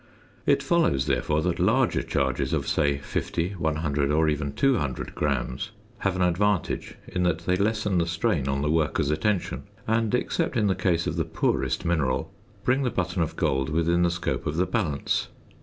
It follows, therefore, that larger charges of say 50, 100, or even 200 grams, have an advantage in that they lessen the strain on the worker's attention, and, except in the case of the poorest mineral, bring the button of gold within the scope of the balance.